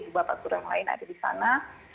bapak guru yang lain ada disana